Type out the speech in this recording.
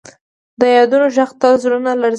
د یادونو ږغ تل زړونه لړزوي.